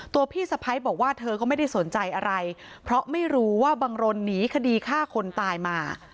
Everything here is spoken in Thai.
พี่สะพ้ายบอกว่าเธอก็ไม่ได้สนใจอะไรเพราะไม่รู้ว่าบังรนหนีคดีฆ่าคนตายมา